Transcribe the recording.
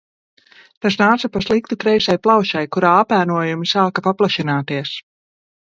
Tas nāca pa sliktu kreisai plaušai – kurā apēnojumi sāka paplašināties.